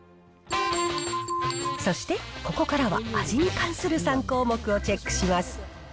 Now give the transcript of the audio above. そして、ここからは味に関する３項目をチェックします。